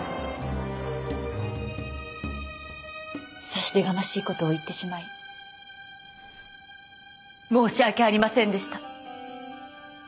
差し出がましいことを言ってしまい申し訳ありませんでした。